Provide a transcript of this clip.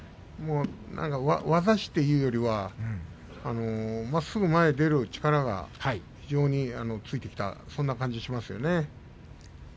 業師というよりはまっすぐ前に出る力が非常についてきたそんな感じがしますよね。